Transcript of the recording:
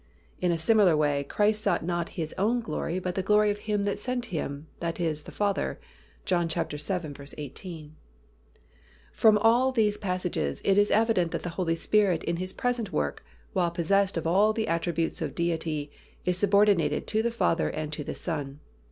In a similar way, Christ sought not His own glory, but the glory of Him that sent Him, that is the Father (John vii. 18). From all these passages, it is evident that the Holy Spirit in His present work, while possessed of all the attributes of Deity, is subordinated to the Father and to the Son.